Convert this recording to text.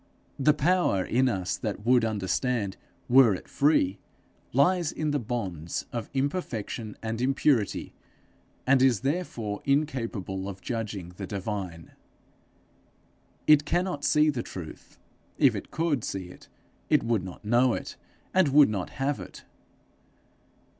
The power in us that would understand were it free, lies in the bonds of imperfection and impurity, and is therefore incapable of judging the divine. It cannot see the truth. If it could see it, it would not know it, and would not have it.